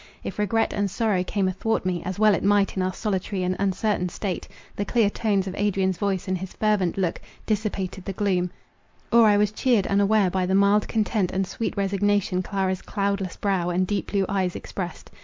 If regret and sorrow came athwart me, as well it might in our solitary and uncertain state, the clear tones of Adrian's voice, and his fervent look, dissipated the gloom; or I was cheered unaware by the mild content and sweet resignation Clara's cloudless brow and deep blue eyes expressed.